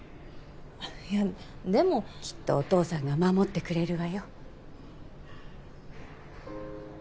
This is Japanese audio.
いやでもきっとお父さんが守ってくれるわよ